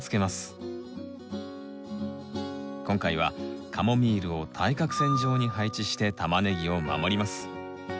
今回はカモミールを対角線状に配置してタマネギを守ります。